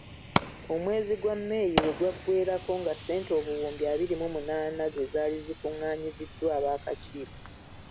Omwezi gwa May we gwaggweerako nga ssente obuwumbi abiri mu munaana ze zaali zikung'aanyiziddwa ab'akakiiko.